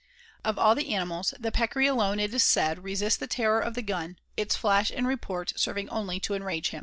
Of all animals the Peccary alone, it is said, resists the terror of the gun, its flash and report serving only to enrage him.